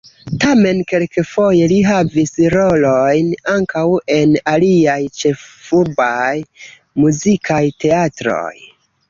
Tamen kelkfoje li havis rolojn ankaŭ en aliaj ĉefurbaj muzikaj teatroj.